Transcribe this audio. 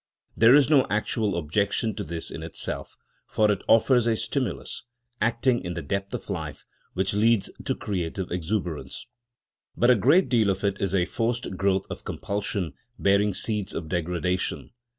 There is no actual objection to this in itself, for it offers a stimulus, acting in the depth of life, which leads to creative exuberance. But a great deal of it is a forced growth of compulsion bearing seeds of degradation.